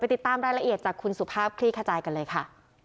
ติดตามรายละเอียดจากคุณสุภาพคลี่ขจายกันเลยค่ะ